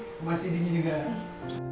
mas ini juga